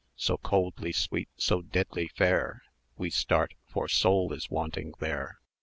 So coldly sweet, so deadly fair, We start, for Soul is wanting there.